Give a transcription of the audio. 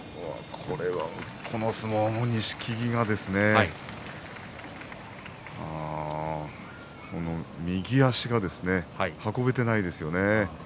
この相撲は錦木は右足が運べていないですね。